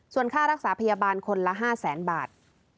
ส่วนค่ารักษาพยาบาลคนละ๕แสนบาท